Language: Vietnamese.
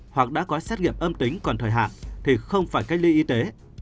hoặc đã có xét nghiệm âm tính còn thời hạn thì không phải cách ly y tế